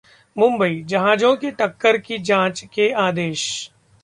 मुंबई: जहाजों की टक्कर की जांच के आदेश